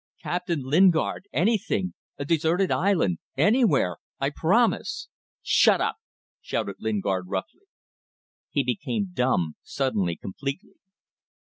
"Captain Lingard ... anything ... a deserted island ... anywhere ... I promise ..." "Shut up!" shouted Lingard, roughly. He became dumb, suddenly, completely.